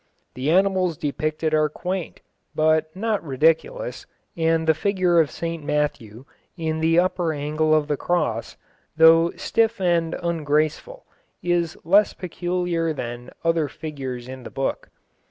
The animals depicted are quaint, but not ridiculous, and the figure of St Matthew, in the upper angle of the cross, though stiff and ungraceful, is less peculiar than other figures in the book.